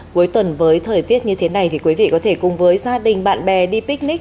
cuối tuần với thời tiết như thế này quý vị có thể cùng với gia đình bạn bè đi picnic